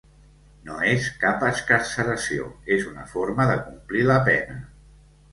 No és cap excarceració, és una forma de complir la pena.